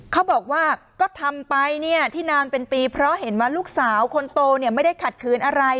เขาบอกว่าก็ทำไปที่นานเป็นปีเพราะเห็นว่าลูกสาวคนโตไม่ได้ขัดขืนอะไร